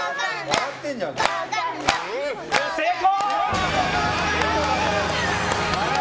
成功！